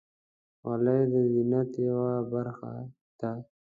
غلۍ د زینت یوه برخه ده.